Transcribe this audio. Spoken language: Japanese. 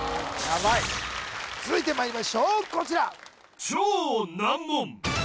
ヤバい続いてまいりましょうこちら